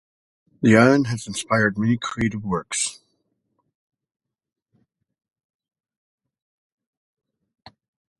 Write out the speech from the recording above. The Island has inspired many creative works.